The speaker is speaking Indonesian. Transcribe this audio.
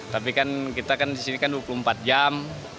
tapi kan kita kan di sini kan dua puluh empat jam